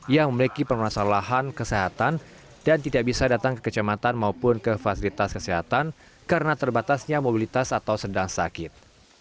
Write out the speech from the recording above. yang memiliki permasalahan kesehatan dan tidak bisa datang ke kecamatan maupun ke fasilitas kesehatan karena terbatasnya mobilitas atau sedang sakit